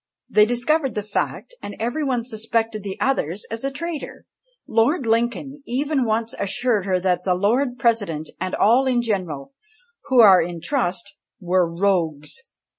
They discovered the fact, and every one suspected the other as the traitor! Lord Lincoln even once assured her, that "the Lord President and all in general, who are in trust, were rogues."